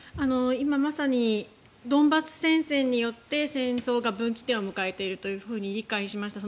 今まさにドンバス戦線によって戦争が分岐点を迎えていると理解しました。